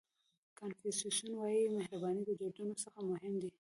کانفیوسیس وایي مهرباني د دردونو څخه مهم دی.